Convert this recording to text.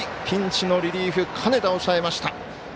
ピンチのリリーフ、金田抑えました。